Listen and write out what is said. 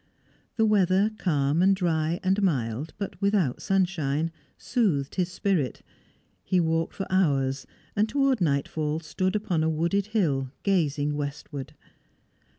The weather, calm and dry and mild, but without sunshine, soothed his spirit. He walked for hours, and towards nightfall stood upon a wooded hill, gazing westward.